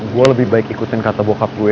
gue lebih baik ikutin kata bokap gue